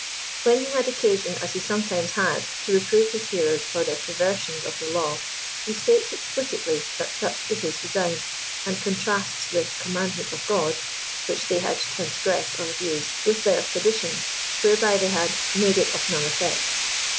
When he had occasion, as he some times had, to reprove his hearers for their perversions of the law, he states explicitly that such is his design, and contrasts the commandment of Ood" which they had transgressed or abused, with their "ttadition" whereby they had "made it of none effect."